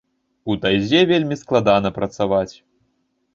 У тайзе вельмі складана працаваць.